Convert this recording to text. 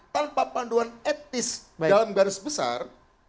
tanpa panduan etis dalam garis besar